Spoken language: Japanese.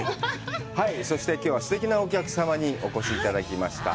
そして、きょうは、すてきなお客様にお越しいただきました。